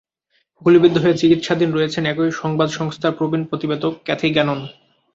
গুলিবিদ্ধ হয়ে চিকিত্সাধীন রয়েছেন একই সংবাদ সংস্থার প্রবীণ প্রতিবেদক ক্যাথি গ্যানোন।